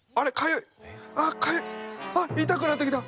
痛くなってきた！